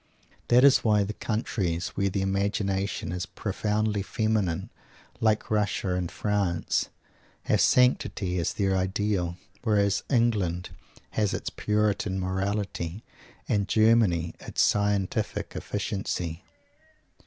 That is why the countries where the imagination is profoundly feminine like Russia and France have sanctity as their ideal. Whereas England has its Puritan morality, and Germany its scientific efficiency.